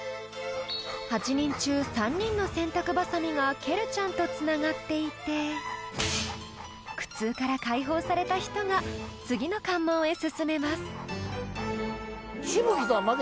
［８人中３人の洗濯バサミがケルちゃんとつながっていて苦痛から解放された人が次の関門へ進めます］